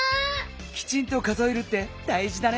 きちんと数えるってだいじだね。